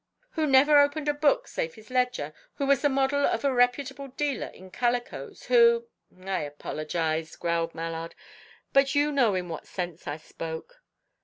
"Who never opened a book save his ledger; who was the model of a reputable dealer in calicoes; who " "I apologize," growled Mallard. "But you know in what sense I spoke."